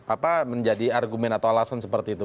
apa menjadi argumen atau alasan seperti itu